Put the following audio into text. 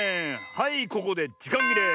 はいここでじかんぎれ。